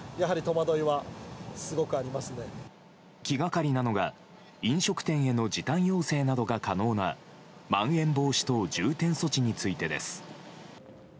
気がかりなのが飲食店への時短要請などが可能なまん延防止等重点措置についてです。